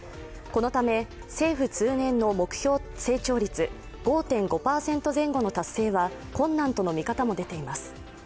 このため政府通年の目標成長率５．５％前後の達成は困難との見方も出ています。